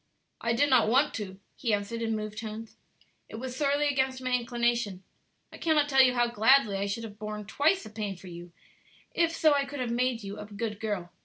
"I did not want to," he answered in moved tones; "it was sorely against my inclination, I cannot tell you how gladly I should have borne twice the pain for you if so I could have made you a good girl.